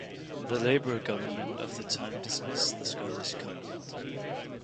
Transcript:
The Labour government of the time dismissed the Scottish Covenant.